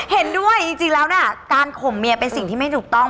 เห็นด้วยจริงแล้วเนี่ยการข่มเมียเป็นสิ่งที่ไม่ถูกต้อง